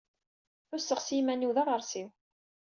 Ḥusseɣ s yiman-iw d aɣersiw.